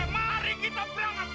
oke mari kita berangkat sekarang